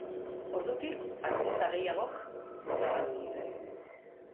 Ordutik, artista gehiagok grabatu dute.